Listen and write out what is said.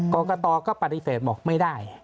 กรกตก็ปฏิเสธบอกไม่ได้